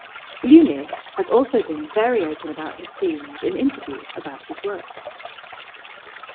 Leunig has also been very open about his themes in interviews about his work.